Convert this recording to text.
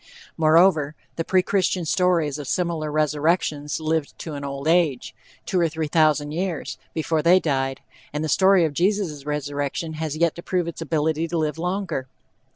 Moreover, the pre Christian stories of similar resurrections lived to an old age, two or three thousand years before they died, and the story of Jesus' resurrection has yet to prove its ability to live longer.